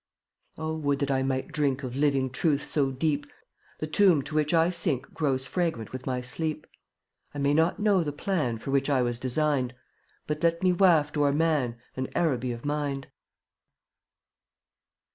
26 Oh, would that I might drink Of living truth so deep, The tomb to which I sink Grows fragrant with my sleep. I may not know the plan For which I was designed, But let me waft o'er man An Araby of mind.